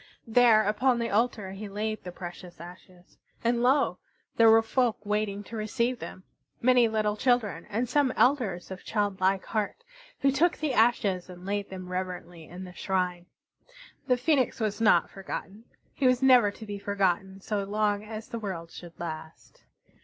There upon the altar he laid the precious ashes. And lo! There were folk waiting to receive them, many little children, and some elders of childlike heart, who took the ashes and laid them reverently in the shrine. The Phoenix was not forgotten; he was never to be forgotten so long as the world should last.